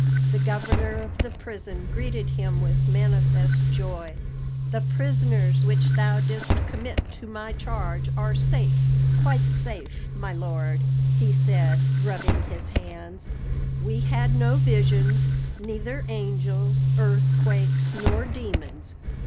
The governor of the prison greeted him with manifest joy. "The prisoners which thou didst commit to my charge are safe quite safe, my lord," he said, rubbing his hands. "We had no visions; neither angels, earthquakes, nor demons.